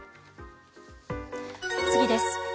次です。